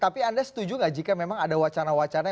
tapi anda setuju nggak jika memang ada wacana wacana